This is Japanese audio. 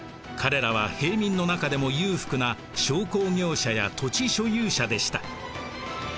彼らは平民の中でも裕福な商工業者や土地所有者でした。